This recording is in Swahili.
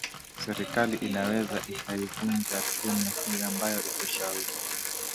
serikali inaweza ikaivunja tume hii ambayo iko shauri